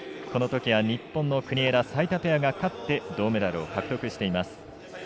このときは日本の国枝、齋田ペアが勝って銅メダルを獲得しています。